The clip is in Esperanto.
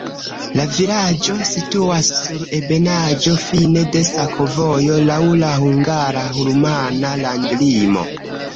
La vilaĝo situas sur ebenaĵo, fine de sakovojo, laŭ la hungara-rumana landlimo.